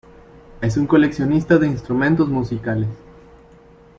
Es un coleccionista de instrumentos musicales.